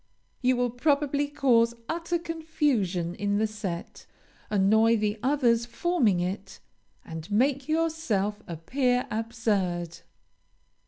You will probably cause utter confusion in the set, annoy the others forming it, and make yourself appear absurd.